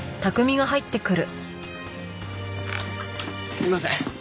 すいません！